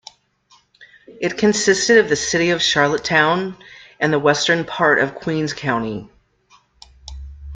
It consisted of the city of Charlottetown and the western part of Queen's County.